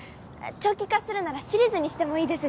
長期化するならシリーズにしてもいいですし。